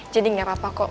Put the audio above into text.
jadi gak apa apa kok